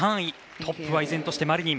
トップは依然としてマリニン。